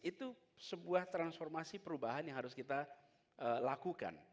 itu sebuah transformasi perubahan yang harus kita lakukan